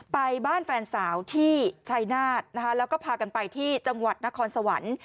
ไปบ้านแฟนสาวที่ชายนาฏนะคะแล้วก็พากันไปที่จังหวัดนครสวรรค์